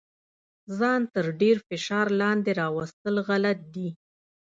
ځان تر ډیر فشار لاندې راوستل غلط دي.